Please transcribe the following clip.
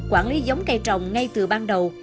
quản lý giống cây trồng ngay từ ban đầu